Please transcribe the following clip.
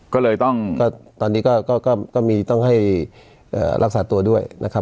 ก็เลยต้องก็ตอนนี้ก็ก็ก็ก็มีต้องให้เอ่อรักษาตัวด้วยนะครับ